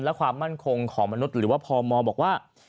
และความมั่นคงของมนุษย์หรือว่าพมบอกว่า